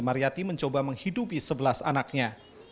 mariyati mencoba menghidupi sebelas anaknya